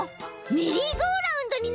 メリーゴーラウンドになりそう！